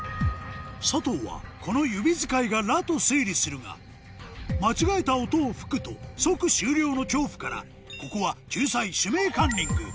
佐藤はこの指使いが「ラ」と推理するが間違えた音を吹くと即終了の恐怖からここは救済「指名カンニング」